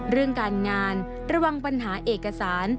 เรื่องการงานระวังปัญหาเอกสาร